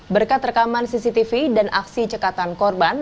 berkat rekaman cctv dan aksi cekatan korban